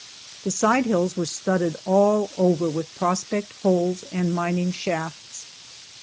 The side hills were studded all over with prospect holes and mining shafts.